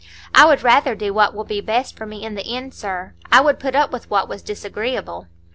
"I would rather do what will be best for me in the end, sir; I would put up with what was disagreeable."